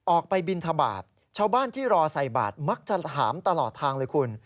ออกไปบินทบาทชาวบ้านที่รอใส่บาทมักจะถามตลอดทางเลยคุณ